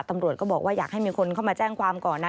ตำรวจก็บอกว่าอยากให้มีคนเข้ามาแจ้งความก่อนนะ